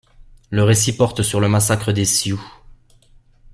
Le récit porte sur le massacre des Sioux.